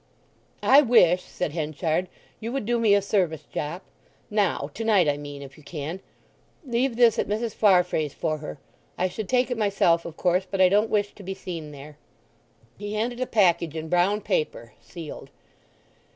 "I wish," said Henchard, "you would do me a service, Jopp, now—to night, I mean, if you can. Leave this at Mrs. Farfrae's for her. I should take it myself, of course, but I don't wish to be seen there." He handed a package in brown paper, sealed.